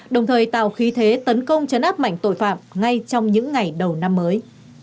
đồng thời tạo khí thế tấn công chấn áp mảnh tội phạm ngay trong những ngày đầu năm mới